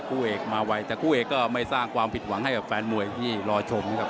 คู่เอกมาไวแต่คู่เอกก็ไม่สร้างความผิดหวังให้กับแฟนมวยที่รอชมนะครับ